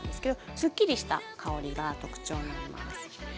すっきりした香りが特徴です。